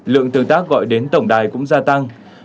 lượng tương tác gọi đến tổng đài cũng gia tăng